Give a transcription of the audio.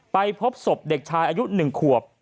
ไปพบสบเด็กชายอายุหนึ่งขวบ